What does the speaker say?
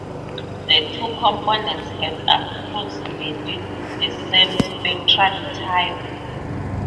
The two components have approximately the same spectral type.